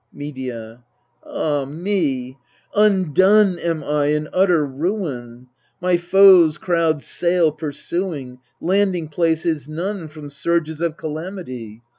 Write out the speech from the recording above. Medea. Ah me ! undone am I in utter ruin ! My foes crowd sail pursuing : landing place Is none from surges of calamity.